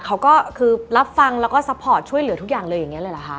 เขาก็คือรับฟังแล้วก็ซัพพอร์ตช่วยเหลือทุกอย่างเลยอย่างนี้เลยเหรอคะ